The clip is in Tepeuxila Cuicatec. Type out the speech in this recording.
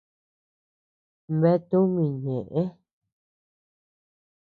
Bea tumi ñeʼe.